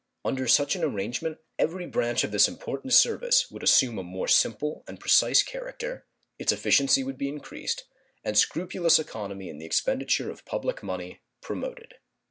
Under such an arrangement every branch of this important service would assume a more simple and precise character, its efficiency would be increased, and scrupulous economy in the expenditure of public money promoted.